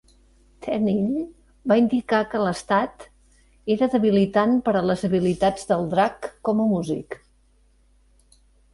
Tennille va indicar que l'estat era debilitant per a les habilitats del Drac com a músic.